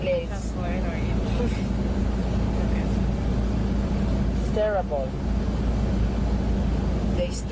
เขาต้องต้องการแบบนั้นก่อนไปที่โอเตล